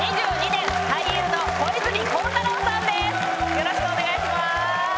よろしくお願いします。